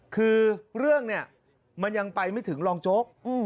คือเรื่องเนี่ยมันยังไปไม่ถึงรองโจ๊ก